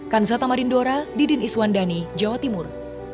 kanza tamarindora didin iswandani jawa timur